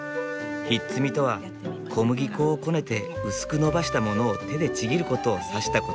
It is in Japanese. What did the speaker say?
ひっつみとは小麦粉をこねて薄く延ばしたものを手でちぎることを指した言葉。